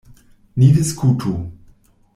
Ni diskutu.